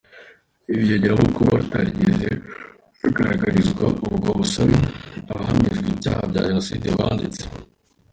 Ibi byiyongeraho kuba rutarigeze rugaragarizwa ubwo busabe abahamijwe ibyaha bya Jenoside banditse.